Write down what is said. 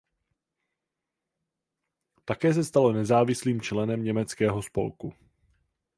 Také se stalo nezávislým členem Německého spolku.